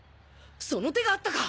その手があったか！